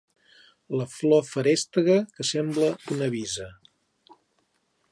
La flor feréstega que sembla una visa.